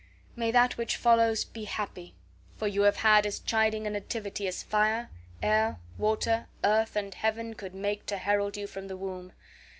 May that which follows be happy, for you have had as chiding a nativity as fire, air, water, earth, and heaven could make to herald you from the womb!